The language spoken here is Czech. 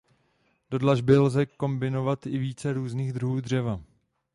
Do dlažby lze kombinovat i více různých druhů dřeva.